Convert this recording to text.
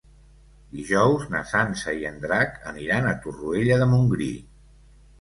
Dijous na Sança i en Drac aniran a Torroella de Montgrí.